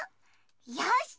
よし！